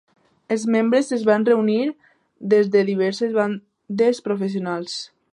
Els membres es van reunir des de diverses bandes professionals.